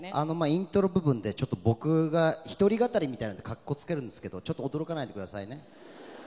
イントロ部分で僕が、一人語りみたいな感じで格好つけるんですけど驚かないでくださいね。